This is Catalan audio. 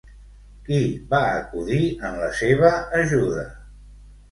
Qui va acudir en la seva ajuda?